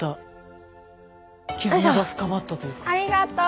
ありがとう。